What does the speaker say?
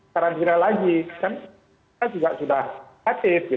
karantina lagi kan kita juga sudah aktif